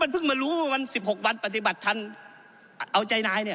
เพิ่งมารู้ว่าวัน๑๖วันปฏิบัติทันเอาใจนายเนี่ย